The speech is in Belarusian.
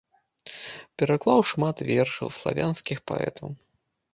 Пераклаў шмат вершаў славянскіх паэтаў.